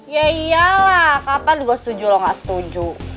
ya iyalah kapan saya setuju kalau tidak setuju